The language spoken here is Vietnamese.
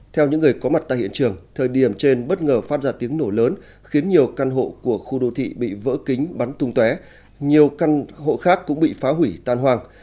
theo những người có mặt tại hiện trường thời điểm trên bất ngờ phát ra tiếng nổ lớn khiến nhiều căn hộ của khu đô thị bị vỡ kính bắn tung té nhiều căn hộ khác cũng bị phá hủy tan hoang